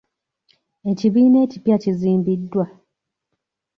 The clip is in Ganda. Ekibiina ekipya kizimbiddwa.